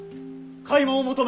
開門を求め